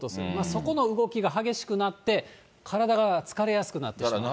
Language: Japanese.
そこの動きが激しくなって、体が疲れやすくなってしまう。